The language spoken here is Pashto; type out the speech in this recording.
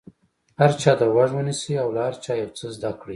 هر چا ته غوږ ونیسئ او له هر چا یو څه زده کړئ.